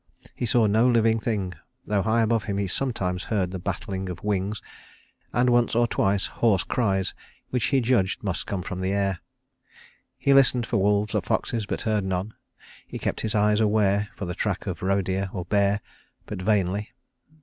He saw no living thing, though high above him he sometimes heard the battling of wings, and once or twice hoarse cries which he judged must come from the air. He listened for wolves or foxes, but heard none; he kept his eyes aware for the track of roe deer or bear, but vainly.